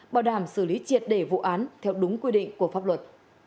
bảo đảm xử lý triệt đề vụ án theo đúng quy định của pháp luật